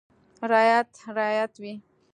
• رعیت رعیت وي.